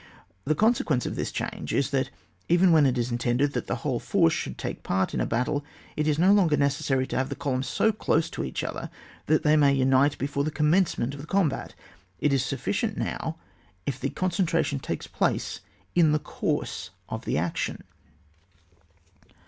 The consequence of this change is, that even when it is intended that the whole force should take part in a battle, it is no longer necessary to have the columns so close to each other that they may unite before the commencement of the combat ; it is sufficient now if the concentration takes place in the course of the action.